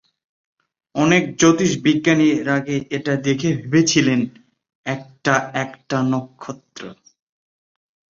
অনেক জ্যোতির্বিজ্ঞানী এর আগে এটা দেখে ভেবেছিলেন একটা একটা নক্ষত্র।